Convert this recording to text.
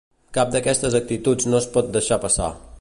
Cap d’aquestes actituds no es pot deixar passar.